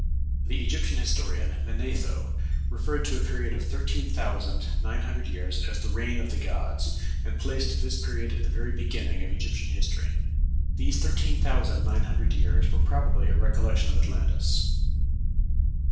The Egyptian historian, Manetho, referred to a period of thirteen thousand nine hundred years as "the reign of the gods," and placed this period at the very beginning of Egyptian history. These thirteen thousand nine hundred years were probably a recollection of Atlantis.